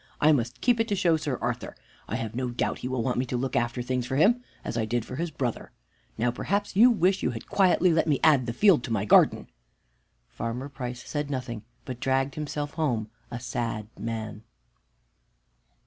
I must keep it to show to Sir Arthur. I have no doubt he will want me to look after things for him as I did for his brother. Now perhaps you wish you had quietly let me add the field to my garden." Farmer Price said nothing, but dragged himself home a sad man.